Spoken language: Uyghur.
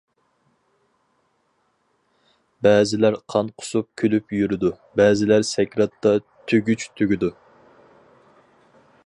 بەزىلەر قان قۇسۇپ كۈلۈپ يۈرىدۇ، بەزىلەر سەكراتتا تۈگۈچ تۈگىدۇ.